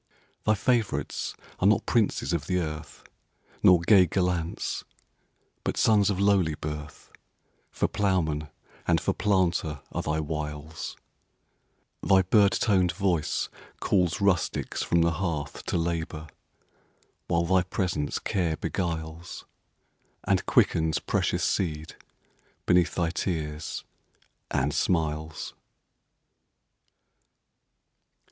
Thy favorites are not princes of the earth, Nor gay gallants; but sons of lowly birth—For ploughman and for planter are thy wiles; Thy bird toned voice calls rustics from the hearthTo labor, while thy presence care beguiles, And quickens precious seed beneath thy tears and smiles.